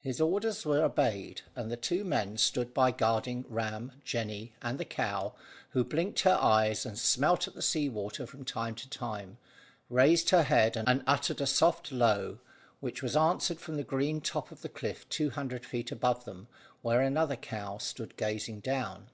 His orders were obeyed, and the two men stood by guarding Ram, Jemmy, and the cow, who blinked her eyes and smelt at the sea water from time to time, raised her head and uttered a soft low, which was answered from the green top of the cliff two hundred feet above them, where another cow stood gazing down.